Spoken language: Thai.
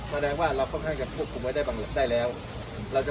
แสดงว่าเราค่อนข้างจะควบคุมไว้ได้บางได้แล้ว